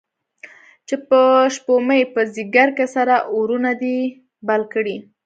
چې په شپومې، په ځیګر کې سره اورونه دي بل کړی